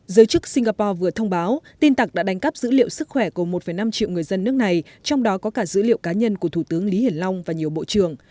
giới chức singapore vừa thông báo tin tặc đã đánh cắp dữ liệu sức khỏe của một năm triệu người dân nước này trong đó có cả dữ liệu cá nhân của thủ tướng lý hiển long và nhiều bộ trưởng